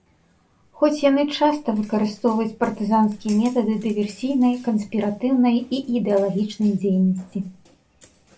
Хоць яны часта выкарыстоўваюць партызанскія метады дыверсійнай, канспіратыўнай і ідэалагічнай дзейнасці.